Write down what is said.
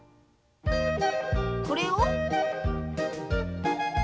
これを。